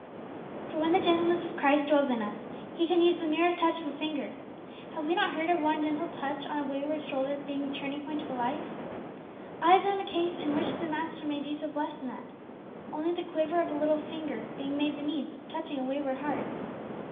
For when the gentleness of Christ dwells in us, He can use the merest touch of a finger. Have we not heard of one gentle touch on a wayward shoulder being the turning point of a life? I have known a case in which the Master made use of less than that only the quiver of a little finger being made the means of touching a wayward heart.